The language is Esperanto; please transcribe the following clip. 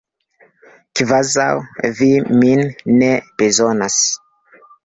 Kvazaŭ vi min ne bezonas.